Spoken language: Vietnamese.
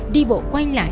đi bộ quay lại